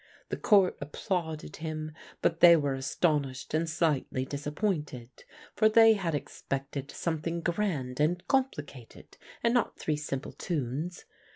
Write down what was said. The Court applauded him, but they were astonished and slightly disappointed, for they had expected something grand and complicated, and not three simple tunes.